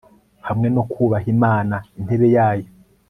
hamwe no kubaha Imana intebe yayo